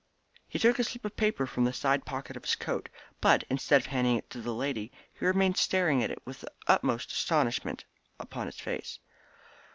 He took a slip of paper from the side pocket of his coat, but, instead of handing it to the young lady, he remained staring at it with the utmost astonishment upon his face.